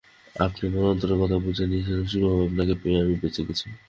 আপনি আমার অন্তরের কথা বুঝে নিয়েছেন রসিকবাবু, আপনাকে পেয়ে আমি বেঁচে গেছি।